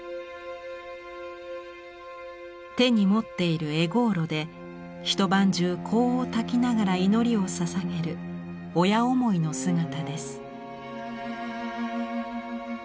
手に持っている柄香炉で一晩中香をたきながら祈りをささげる親思いの姿です。